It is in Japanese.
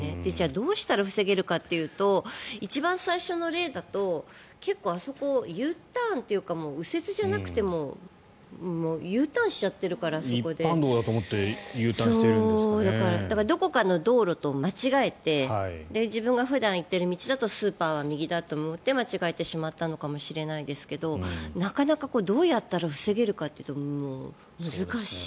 どうしたら防げるかというと一番最初の例だと結構あそこ、Ｕターンというか右折じゃなくても一般道だと思ってどこかの道路と間違えて自分が普段行っている道だとスーパーは右だと思って間違えてしまったのかもしれないですけどなかなかどうやったら防げるかというと難しい。